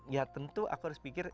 ya tentu aku harus pikir